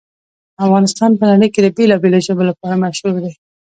افغانستان په نړۍ کې د بېلابېلو ژبو لپاره مشهور دی.